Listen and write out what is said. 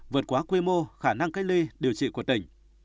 vượt quá quy mô khả năng cách ly điều trị của tỉnh